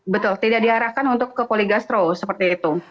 betul tidak diarahkan untuk ke poligastro seperti itu